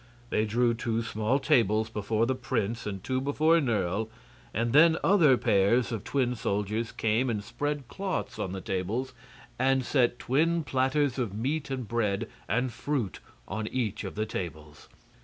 They drew two small tables before the prince and two before Nerle, and then other pairs of twin soldiers came and spread cloths on the tables and set twin platters of meat and bread and fruit on each of the tables.